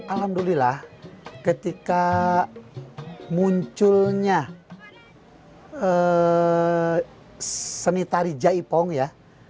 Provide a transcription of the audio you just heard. alhamdulillah ketika munculnya seni tari jaipong ya